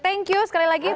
thank you sekali lagi bang